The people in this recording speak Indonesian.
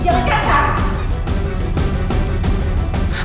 jangan kaget pak